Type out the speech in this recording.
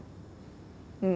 うん。